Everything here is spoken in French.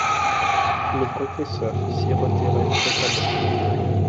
Le confesseur s'y retirait fréquemment.